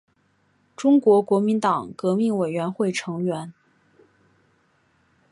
中国国民党革命委员会成员。